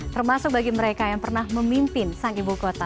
termasuk bagi mereka yang pernah memimpin sang ibu kota